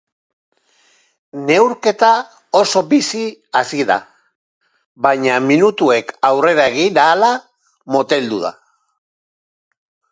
Neurketa oso bizi hasi da, baina minutuek aurrera egin ahala moteldu da.